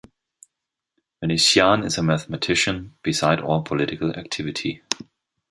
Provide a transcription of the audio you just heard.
Venetiaan is a mathematician beside all political activity.